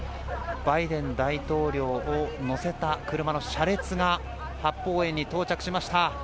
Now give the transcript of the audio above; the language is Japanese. バイデン大統領を乗せた車の車列が八芳園に到着しました。